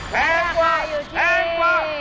แพงกว่าแพงกว่า